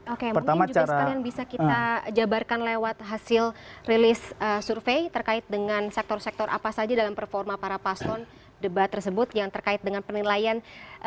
oke mungkin juga sekalian bisa kita jabarkan lewat hasil rilis survei terkait dengan sektor sektor apa saja dalam performa para paslon debat tersebut yang terkait dengan penilaian